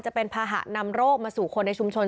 จะเป็นภาหะนำโรคมาสู่คนในชุมชน